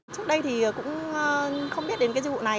trước đây thì cũng không biết đến cái dịch vụ này